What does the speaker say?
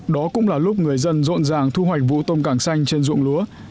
đó cũng là lúc người dân rộn ràng thu hoạch vụ tôm càng xanh trên dụng lúa